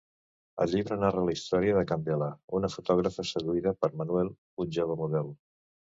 El llibre narra la història de Candela, una fotògrafa seduïda per Manuel, un jove model.